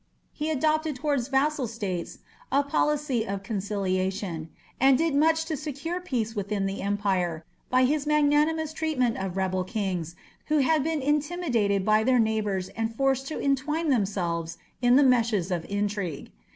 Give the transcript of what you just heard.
He adopted towards vassal states a policy of conciliation, and did much to secure peace within the empire by his magnanimous treatment of rebel kings who had been intimidated by their neighbours and forced to entwine themselves in the meshes of intrigue.